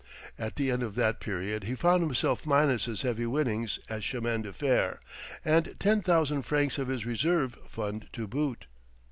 At the end of that period he found himself minus his heavy winnings at chemin de fer and ten thousand francs of his reserve fund to boot.